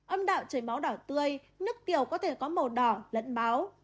âm đạo trời máu đỏ tươi nước tiểu có thể có màu đỏ lẫn máu